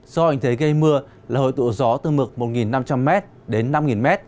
do hình thế gây mưa là hồi tụ gió từ mực một năm trăm linh m đến năm m